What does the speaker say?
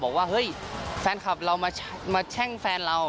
บอกว่าเฮ้ยแฟนคลับเรามาแช่งแฟนเรา